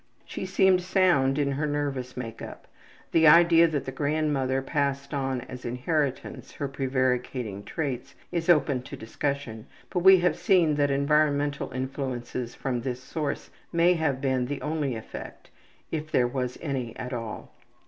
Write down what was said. She seemed sound in her nervous makeup. The idea that the grandmother passed on as inheritance her prevaricating traits is open to discussion, but we have seen that environmental influences from this source may have been the only effect, if there was any at all.